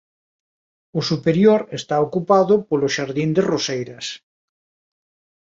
O superior está ocupado polo xardín de roseiras.